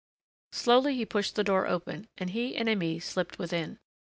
Softly he pushed the door open and he and Aimée slipped within.